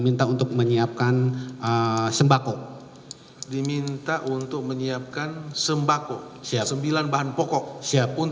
meminta kementan mendanai tiga belas ribu paket sembako senilai satu sembilan puluh lima miliar rupiah